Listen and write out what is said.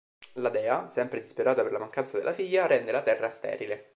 La dea, sempre disperata per la mancanza della figlia, rende la terra sterile.